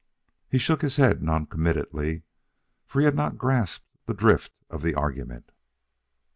He shook his head noncommittally, for he had not grasped the drift of the argument.